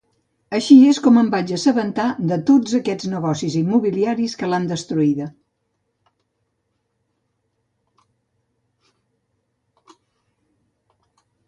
Així és com em vaig assabentar de tots aquests negocis immobiliaris que l'han destruïda.